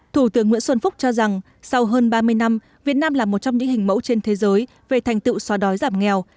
thủ tướng nguyễn xuân phúc cho rằng sau hơn ba mươi năm việt nam là một trong những hình mẫu trên thế giới về thành tựu xóa đói giảm nghèo